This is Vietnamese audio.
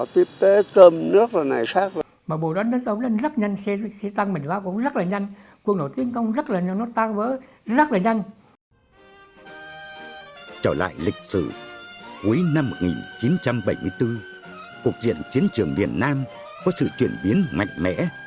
trở lại lịch sử cuối năm một nghìn chín trăm bảy mươi bốn cuộc diện chiến trường miền nam có sự chuyển biến mạnh mẽ